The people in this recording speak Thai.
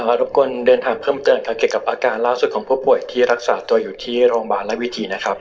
ขอบคุณเดินถ่างเพื่อมาเจอเรื่องอาการดูสุดของผู้ป่วยที่รักษาตัวอยู่ที่โรงพยาบาลลายวิธี